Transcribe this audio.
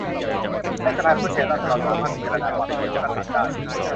ให้สภาผู้แทนราษฎรสามารถพิจารณาความผิดของกษัตริย์ได้